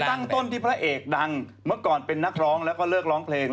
ตั้งต้นที่พระเอกดังเมื่อก่อนเป็นนักร้องแล้วก็เลิกร้องเพลง